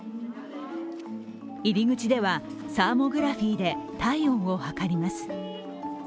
入り口ではサーモグラフィーで体温を測ります。